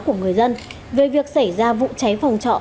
của người dân về việc xảy ra vụ cháy phòng trọ